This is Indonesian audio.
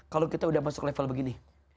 kalau kita udah masuk level begini